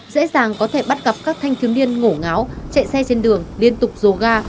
dễ dàng có thể bắt gặp các thanh thiếu niên ngổ ngáo chạy xe trên đường liên tục dồ ga